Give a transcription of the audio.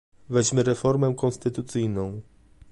Weźmy reformę konstytucyjną